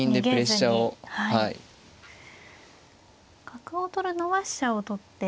角を取るのは飛車を取って。